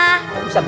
oh bisa tuh